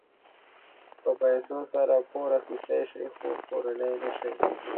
په پیسو سره کور اخيستلی شې خو کورنۍ نه شې.